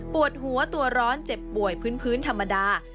ปวดหัวตัวร้อนเจ็บป่วยพื้นธรรมดา